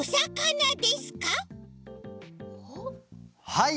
はい。